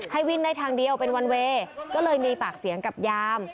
ให้วิ่งได้ทางเดียวเป็นวันเวย์ก็เลยมีปากเสียงกับยาม